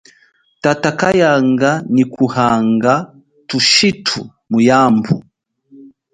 Tata kayanga nyi kuhanga thushitu muyambu.